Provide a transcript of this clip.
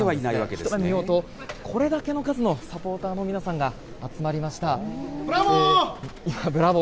一目見ようと、これだけの数のサポーターの皆さんが集まりまブラボー！